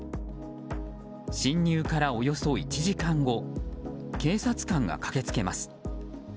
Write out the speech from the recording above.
侵入からおよそ１時間後警察官が駆けつけます。